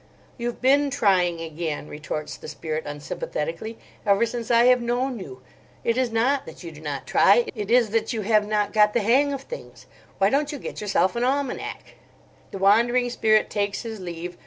"You've been trying again," retorts the Spirit unsympathetically, "ever since I have known you. It is not that you do not try. It is that you have not got the hang of things. Why don't you get yourself an almanack?" The Wandering Spirit takes his leave.